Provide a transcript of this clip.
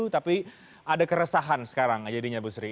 tapi ada keresahan sekarang jadinya bu sri